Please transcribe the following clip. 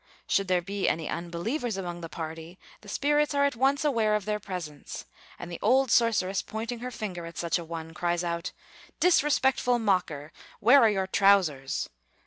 Should there be any unbelievers among the party, the spirits are at once aware of their presence; and the old sorceress, pointing her finger at such a one, cries out, "Disrespectful mocker! where are your trousers?"